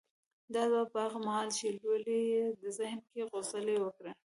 دا ځواب به هغه مهال چې لولئ يې ذهن کې غځونې وکړي.